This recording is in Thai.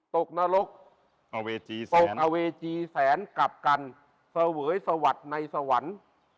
กนรกตกอเวจีแสนกลับกันเสวยสวัสดิ์ในสวรรค์